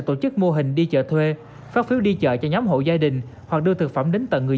tổ chức mô hình đi chợ thuê phát phiếu đi chợ cho nhóm hộ gia đình hoặc đưa thực phẩm đến tận người